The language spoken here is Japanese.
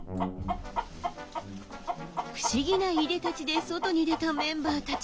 不思議ないでたちで外に出たメンバーたち。